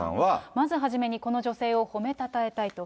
まず初めに、この女性を褒めたたえたいと。